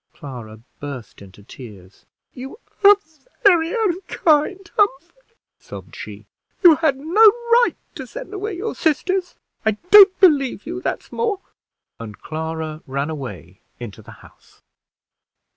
Clara burst into tears. "You are very unkind, Humphrey," sobbed she. "You had no right to send away your sisters. I don't believe you that's more!" and Clara ran away into the house.